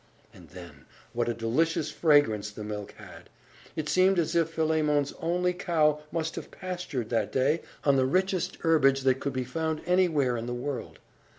And then what a delicious fragrance the milk had! It seemed as if Philemon's only cow must have pastured, that day, on the richest herbage that could be found anywhere in the world.